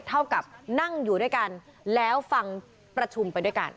เท่ากับนั่งอยู่ด้วยกันแล้วฟังประชุมไปด้วยกัน